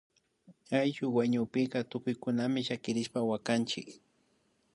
Ayllu wañukpika tukuykunami llakirishpa wakanchik